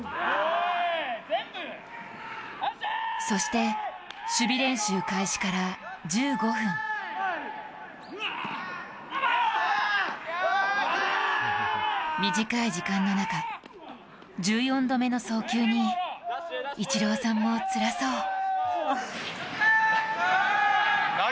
そして、守備練習開始から１５分短い時間の中、１４度目の送球にイチローさんもつらそう。